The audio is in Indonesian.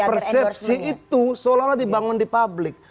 persepsi itu seolah olah dibangun di publik